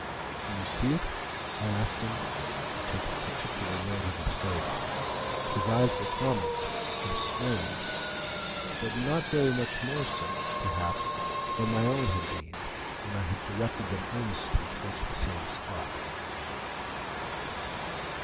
"Do you see it?" I asked him, taking particular note of his face. His eyes were prominent and strained, but not very much more so, perhaps, than my own had been when I had directed them earnestly towards the same spot.